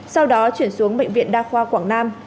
sau đó chuyển xuống bệnh viện đa khoa quảng nam